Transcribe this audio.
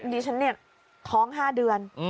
ดิฉันเนี่ยท้อง๕เดือน